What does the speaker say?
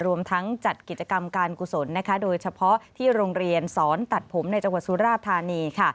รวมทั้งจัดกิจกรรมการกุศลโดยเฉพาะที่โรงเรียนสอนตัดผมในจังหวัดสุราธานี